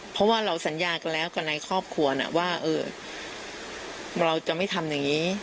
เพราะว่าเราสัญญากันแล้วกับในครอบครัวว่าเราจะไม่ทำอย่างนี้